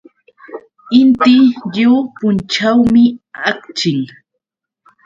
Inti lliw punćhawmi akchin.